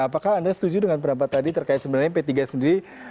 apakah anda setuju dengan pendapat tadi terkait sebenarnya p tiga sendiri